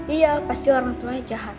iya pasti orang tuanya jahat